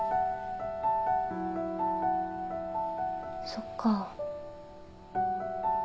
そっか。